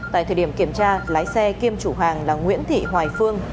tại thời điểm kiểm tra lái xe kiêm chủ hàng là nguyễn thị hoài phương